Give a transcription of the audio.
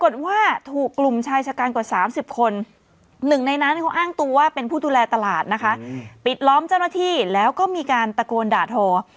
ดูแลตลาดนะคะปิดล้อมเจ้าหน้าที่แล้วก็มีการตะโกนด่าโทร